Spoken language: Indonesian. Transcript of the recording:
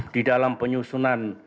di dalam penyusunan